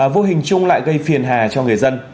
vô hình chung lại gây phiền hà cho người dân